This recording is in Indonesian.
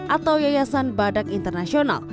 atau yayasan badak internasional